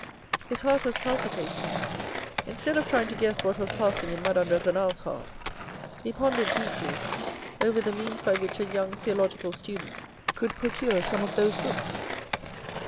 His heart was palpitating. Instead of trying to guess what was passing in Madame de Renal's heart he pondered deeply over the means by which a young theological student could procure some of those books.